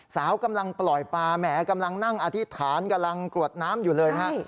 สาวกำลังปล่อยปลาแหมกำลังนั่งอธิษฐานกำลังกรวดน้ำอยู่เลยนะฮะ